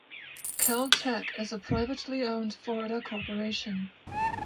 Kel-Tec is a privately owned Florida corporation.